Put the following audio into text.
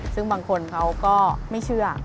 ซึ่งบางคนเขาก็ไม่เชื่อ